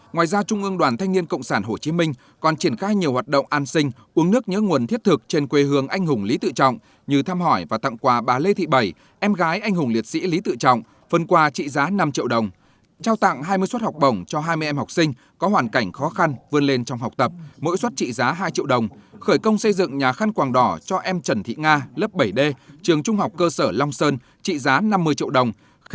ngoài ra trung ương đoàn thanh niên cộng sản hồ chí minh còn triển khai nhiều hoạt động an sinh uống nước nhớ nguồn thiết thực trên quê hương anh hùng lý tự trọng như thăm hỏi và tặng quà bà lê thị bảy em gái anh hùng liệt sĩ lý tự trọng phân quà trị giá năm triệu đồng trao tặng hai mươi suất học bổng cho hai mươi em học sinh có hoàn cảnh khó khăn vươn lên trong học tập mỗi suất trị giá hai triệu đồng khởi công xây dựng nhà khăn quàng đỏ cho em trần thị nga lớp bảy d trường trung học cơ sở long sơn trị giá năm mươi triệu đồng kh